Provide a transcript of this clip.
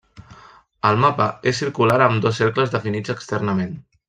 El mapa és circular amb dos cercles definits externament.